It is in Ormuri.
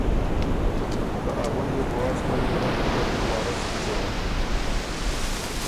که ”ا غُنجی ر بُو از خوئ وُرم تُو ر وارث کیڅېون“